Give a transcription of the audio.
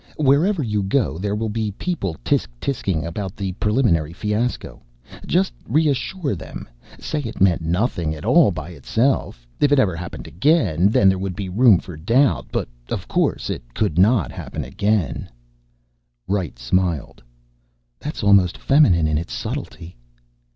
Wherever you go there will be people tsk tsking about the Preliminary fiasco. Just reassure them, say it meant nothing at all by itself. If it ever happened again, then there would be room for doubt but, of course, it could not happen again!" Wright smiled. "That's almost feminine in its subtlety."